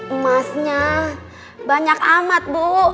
emasnya banyak amat bu